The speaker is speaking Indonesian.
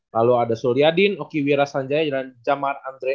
lalu ada suryadin okiwira sanjay jaman jaman andre